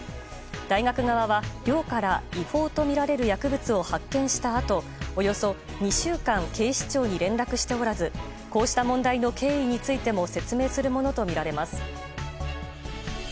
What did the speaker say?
大学側は、寮から違法とみられる薬物を発見したあとおよそ２週間警視庁に連絡しておらずこうした問題の経緯についても説明するものとみられます。